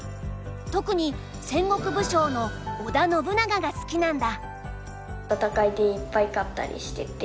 特に戦国武将の織田信長が好きなんだ。